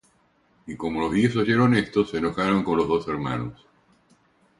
Y como los diez oyeron esto, se enojaron de los dos hermanos.